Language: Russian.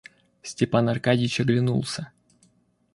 Степан Аркадьич оглянулся.